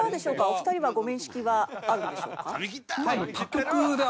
お二人はご面識はあるんでしょうか？